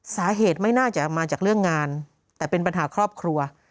สาเหตุไม่น่าจะมาจากเรื่องงานแต่เป็นปัญหาครอบครัว